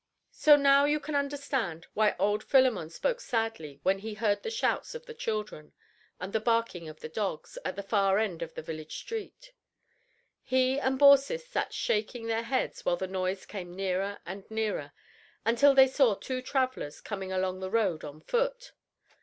So now you can understand why old Philemon spoke sadly when he heard the shouts of the children, and the barking of the dogs, at the far end of the village street. He and Baucis sat shaking their heads while the noise came nearer and nearer, until they saw two travelers coming along the road on foot.